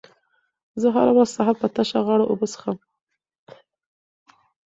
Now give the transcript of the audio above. زه هره ورځ سهار په تشه غاړه اوبه څښم.